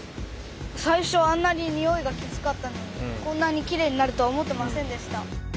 最初はあんなににおいがきつかったのにこんなにきれいになるとは思ってませんでした。